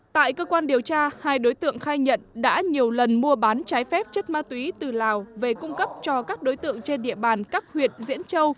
tại cơ quan điều tra hai đối tượng khai nhận đã nhiều lần mua bán trái phép chất ma túy từ lào về cung cấp cho các đối tượng trên địa bàn các huyện diễn châu